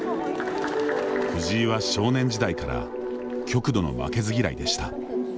藤井は少年時代から極度の負けず嫌いでした。